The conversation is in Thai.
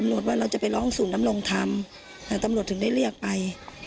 ว่าเราจะไปร้องศูนย์นำรงธรรมตำรวจถึงได้เรียกไป